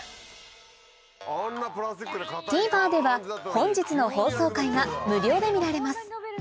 ＴＶｅｒでは本日の放送回が無料で見られます